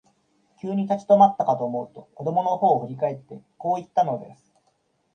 急に立ち止まったかと思うと、子供のほうを振り返って、こう言ったのです。